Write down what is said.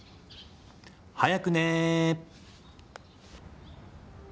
早くね！